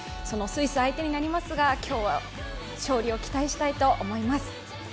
そのスイス相手になりますが今日は勝利を期待したいと思います。